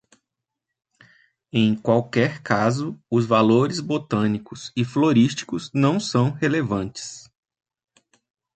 Em qualquer caso, os valores botânicos e florísticos não são relevantes.